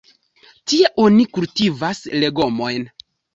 Tie oni kultivas legomojn.